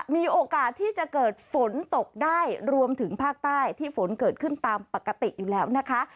มีโอกาสที่จะเกิดฝนตกได้รวมถึงภาคใต้ที่ฝนเกิดขึ้นตามปกติอยู่แล้วนะคะ